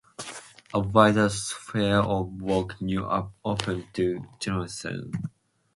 A wider sphere of work now opened to Gneisenau.